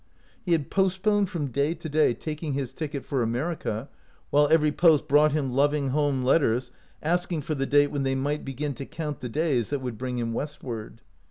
He had post poned from day to day taking his ticket for America, while every post brought him lov ing home letters asking for the date when they might begin to count the days that would bring him westward.